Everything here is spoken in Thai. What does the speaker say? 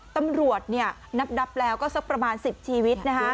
ตำรวจเนี่ยนับรับแล้วก็สักประมาณ๑๐ชีวิตนะคะ